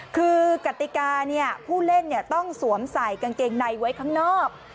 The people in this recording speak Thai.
คือกติกาผู้เล่นต้องสวมใส่กางเกงในไว้ข้างนอก